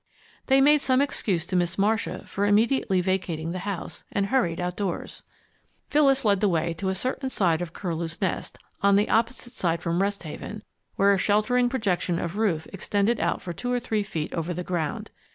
They made some excuse to Miss Marcia for immediately vacating the house, and hurried outdoors. Phyllis led the way to a certain side door of Curlew's Nest, on the opposite side from Rest Haven, where a sheltering projection of roof extended out for two or three feet over the ground.